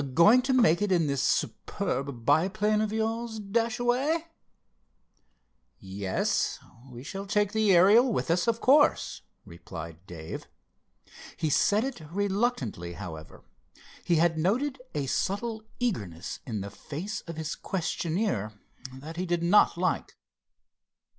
Going to make it in this superb biplane of yours, Dashaway?" "Yes, we shall take the Ariel with us, of course," replied Dave. He said it reluctantly, however. He had noted a subtle eagerness in the face of his questioner that he did not like.